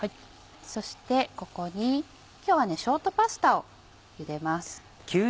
そしてここに今日はショートパスタをゆでます。